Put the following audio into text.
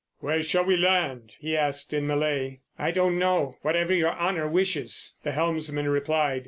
"Where shall we land?" he asked in Malay. "I don't know—wherever your honour wishes," the helmsman replied.